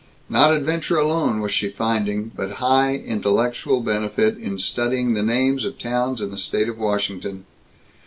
Not adventure alone was she finding, but high intellectual benefit in studying the names of towns in the state of Washington.